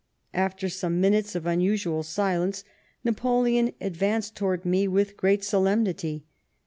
After some minutes of unusual silence Napoleon advanced towards me with great solemnity.